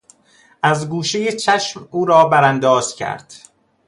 از گوشهی چشم او را برانداز کرد.